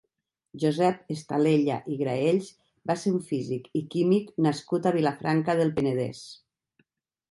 Josep Estalella i Graells va ser un físic i químic nascut a Vilafranca del Penedès.